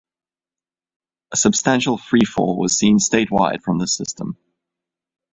A substantial tree fall was seen statewide from this system.